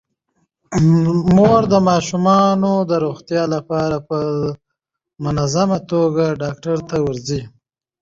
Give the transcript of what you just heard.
مور د ماشومانو د روغتیا لپاره په منظمه توګه ډاکټر ته ورځي.